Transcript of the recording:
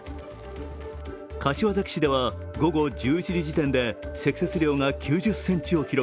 柏崎市では午後１１時時点で積雪量が９０ｃｍを記録。